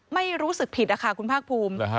ไม่รู้สึกผิดนะคะคุณภาคภูมิ